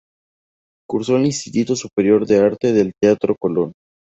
Cursó el Instituto Superior de Arte del Teatro Colón.